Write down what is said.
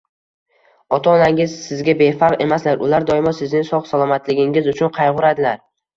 Ota-onangiz sizga befarq emaslar, ular doimo sizning sog‘-salomatligingiz uchun qayg‘uradilar